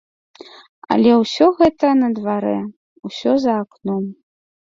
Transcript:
Але ўсё гэта на дварэ, усё за акном.